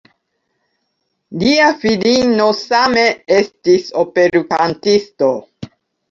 Lia filino same estis operkantisto.